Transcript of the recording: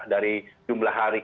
dari jumlah hari karantina